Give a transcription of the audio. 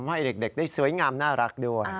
ให้เด็กได้สวยงามน่ารักด้วย